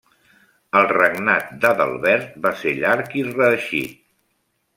El regnat d'Adalbert va ser llarg i reeixit.